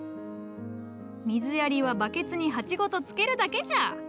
水やりはバケツに鉢ごとつけるだけじゃ。